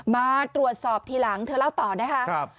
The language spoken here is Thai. มาตรวจสอบทีหลังเธอเล่าต่อนะคะ